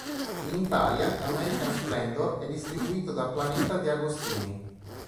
In Italia "American Splendor" è distribuito da Planeta DeAgostini.